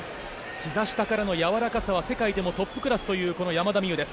ひざ下からのやわらかさは世界でもトップクラスという山田美諭です。